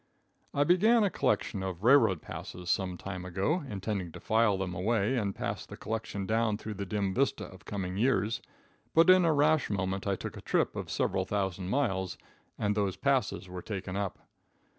I began a collection of railroad passes some time ago, intending to file them away and pass the collection down through the dim vista of coming years, but in a rash moment I took a trip of several thousand miles, and those passes were taken up.